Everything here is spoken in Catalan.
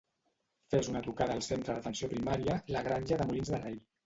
Fes una trucada al Centre d'Atenció Primària La Granja de Molins de Rei.